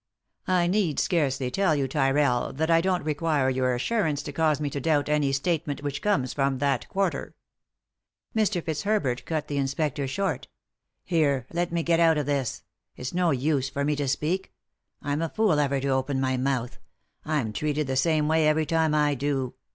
" I need scarcely tell you, Tyrrell, that I don't v 321 3i 9 iii^d by Google THE INTERRUPTED KISS require your assurance to cause me to doubt any statement which comes from that quarter." Mr. Fitzherbert cut the inspector short " Here ] let me get out of this ! If s no use for me to speak ; I'm a fool ever to open my mouth — I'm treated the same way every time I do.